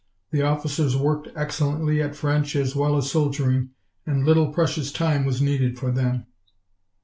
The officers worked excellently, at French as well as soldiering, and little precious time was needed for them.